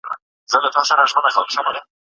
په انګریزي کي د سپروایزر مانا څه ده؟